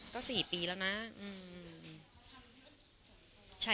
ก็๔ปีแล้วนะ